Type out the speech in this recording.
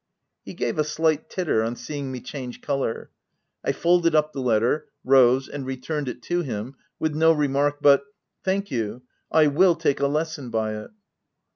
He gave a slight titter on seeing me change colour. I folded up the letter, rose, and returned it to him, with no remark but, —" Thank you — I will take a lesson by it